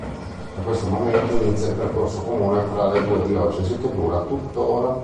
Da questo momento inizia il percorso comune fra le due diocesi che dura tuttora.